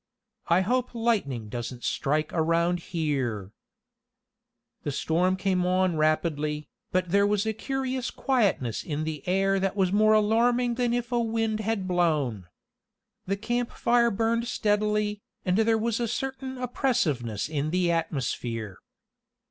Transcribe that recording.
"I hope lightning doesn't strike around here." The storm came on rapidly, but there was a curious quietness in the air that was more alarming than if a wind had blown. The campfire burned steadily, and there was a certain oppressiveness in the atmosphere.